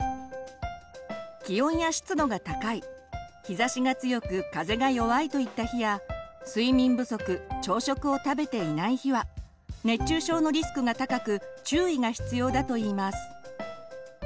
気温や湿度が高い日ざしが強く風が弱いといった日や睡眠不足朝食を食べていない日は熱中症のリスクが高く注意が必要だといいます。